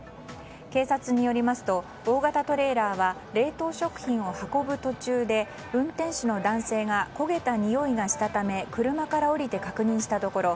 警察によりますと大型トレーラーは冷凍食品を運ぶ途中で運転手の男性が焦げたにおいがしたため車から降りて確認したところ